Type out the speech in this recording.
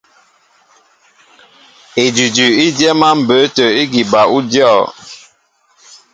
Edʉdʉ í dyɛ́ɛ́m á mbə̌ tə̂ ígi bal ú dyɔ̂.